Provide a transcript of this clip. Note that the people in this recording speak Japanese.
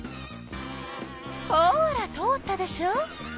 ほら通ったでしょ！